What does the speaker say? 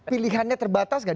pilihannya terbatas nggak